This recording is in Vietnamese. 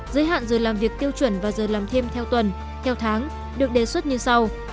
giới hạn giờ làm việc tiêu chuẩn và giờ làm thêm theo tuần theo tháng được đề xuất như sau